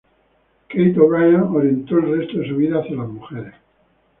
Kate O'Brien orientó el resto de su vida hacia las mujeres.